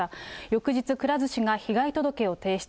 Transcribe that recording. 翌日、くら寿司が被害届を提出。